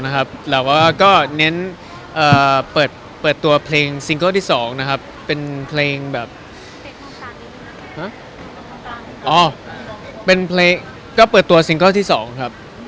นี่แหละคือความรักครับ